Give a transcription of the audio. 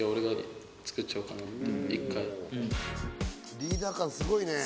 リーダー感すごいね。